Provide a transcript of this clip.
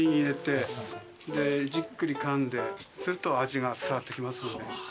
じっくりかんですると味が伝わってきますので。